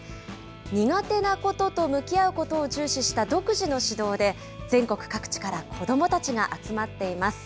苦手なことと向き合うことを重視した独自の指導で、全国各地から子どもたちが集まっています。